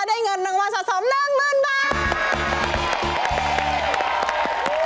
ได้เงินรางวัลสะสมเรื่องหมื่นบาท